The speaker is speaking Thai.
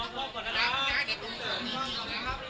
ขอบคุณค่ะ